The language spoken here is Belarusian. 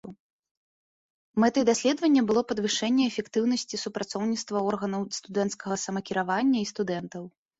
Мэтай даследавання было падвышэнне эфектыўнасці супрацоўніцтва органаў студэнцкага самакіравання і студэнтаў.